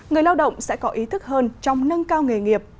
người lao động sẽ có ý thức hơn trong nâng cao nghề nghiệp